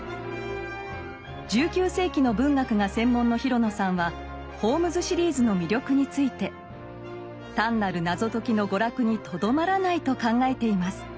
１９世紀の文学が専門の廣野さんはホームズ・シリーズの魅力について単なる謎解きの娯楽にとどまらないと考えています。